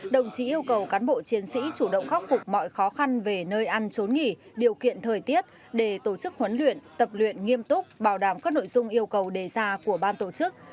đồng chí yêu cầu cán bộ chiến sĩ chủ động khắc phục mọi khó khăn về nơi ăn trốn nghỉ điều kiện thời tiết để tổ chức huấn luyện tập luyện nghiêm túc bảo đảm các nội dung yêu cầu đề ra của ban tổ chức